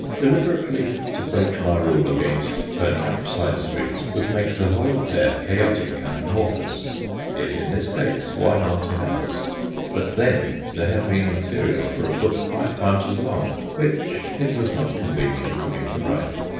Deliberately to break my rule against turning up side streets would make the whole affair chaotic and amorphous. If in this case, why not in others ? But then there had been material for a book five times as long, which it was not convenient for me to write.